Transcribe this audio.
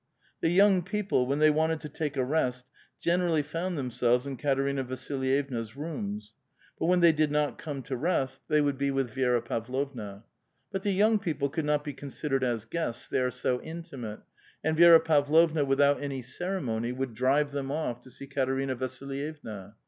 The young people, when they wanted to take a' rest, senerallv found themselves in Katerina Vasilvevna's rooms ; but when they d\d ixot. come to rest, they would be A VITAL QUESTION. 447 witli Vi6ra Parlovna. But the young people could not be considered as guests, they are so intimate, and Vi6ra Pav lovua, without any ceremony, would drive them off to see Katerina Vasilyevna.